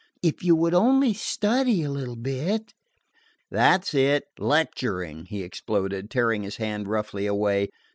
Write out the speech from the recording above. If you would only study a little bit " "That 's it! Lecturing!" he exploded, tearing his hand roughly away.